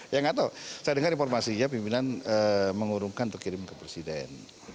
ya nggak tahu saya dengar informasinya pimpinan mengurungkan untuk kirim ke presiden